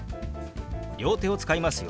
両手を使いますよ。